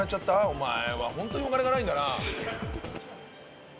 お前はホントにお金がないんだな。